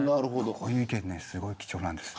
こういう意見すごい貴重です。